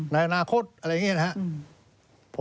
ในอนาคตอะไรอย่างนี้นะครับ